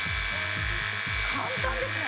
簡単ですね。